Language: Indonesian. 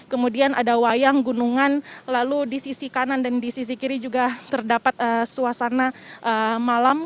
kemudian ada wayang gunungan lalu di sisi kanan dan di sisi kiri juga terdapat suasana malam